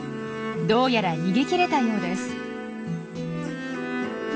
どうやら逃げきれたようです。